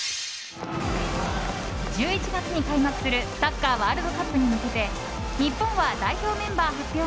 １１月に開幕するサッカーワールドカップに向けて日本は代表メンバー発表